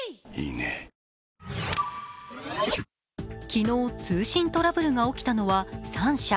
昨日、通信トラブルが起きたのは３社。